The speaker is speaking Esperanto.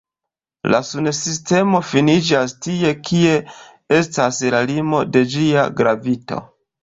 La Sunsistemo finiĝas tie, kie estas la limo de ĝia gravito.